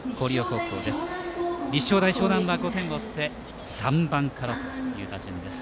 立正大淞南は５点を追って３番からという打順です。